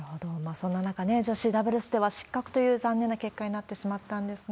そんな中ね、女子ダブルスでは失格という残念な結果になってしまったんですが。